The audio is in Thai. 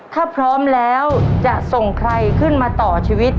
ถ้าพร้อมแล้วจะส่งใครขึ้นมาต่อชีวิต